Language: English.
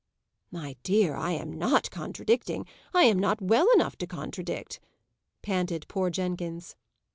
"My dear, I am not contradicting; I am not well enough to contradict," panted poor Jenkins.